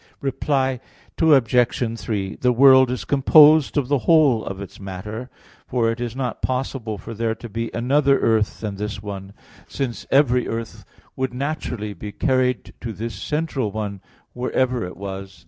Reply Obj. 3: The world is composed of the whole of its matter. For it is not possible for there to be another earth than this one, since every earth would naturally be carried to this central one, wherever it was.